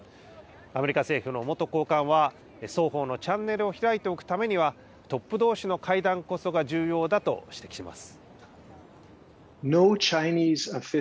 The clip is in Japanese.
アメリカ政府の元高官は、双方のチャンネルを開いておくためには、トップどうしの会談こそが重要だと指摘します。